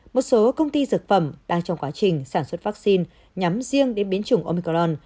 một số công ty dược phẩm đang trong quá trình sản xuất vaccine nhắm riêng đến biến chủng omicron